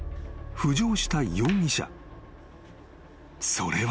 それは］